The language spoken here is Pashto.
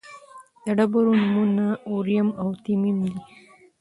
د ډبرو نومونه اوریم او تمیم دي.